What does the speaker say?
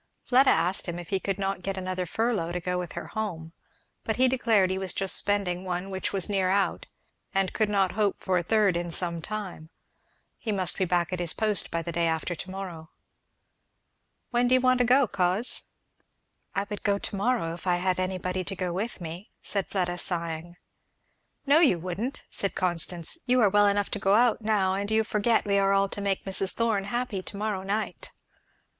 Fleda asked him if he could not get another furlough to go with her home, but he declared he was just spending one which was near out; and he could not hope for a third in some time; he must be back at his post by the day after to morrow. "When do you want to go, coz?" "I would to morrow, if I had anybody to go with me," said Fleda sighing. "No you wouldn't," said Constance, "you are well enough to go out now, and you forget we are all to make Mrs. Thorn happy to morrow night."